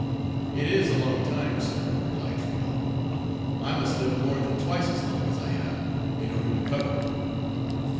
"It is a long time, sir," replied Tryon. "I must live more than twice as long as I have in order to cover it."